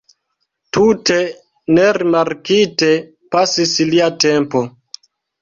Tute nerimarkite pasis lia tempo.